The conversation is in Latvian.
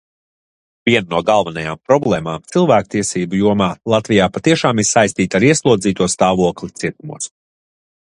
Viena no galvenajām problēmām cilvēktiesību jomā Latvijā patiešām ir saistīta ar ieslodzīto stāvokli cietumos.